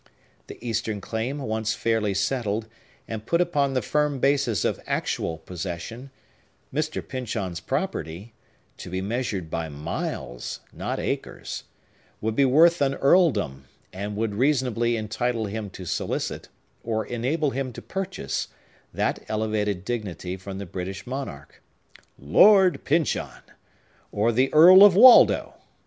The Eastern claim once fairly settled, and put upon the firm basis of actual possession, Mr. Pyncheon's property—to be measured by miles, not acres—would be worth an earldom, and would reasonably entitle him to solicit, or enable him to purchase, that elevated dignity from the British monarch. Lord Pyncheon!—or the Earl of Waldo!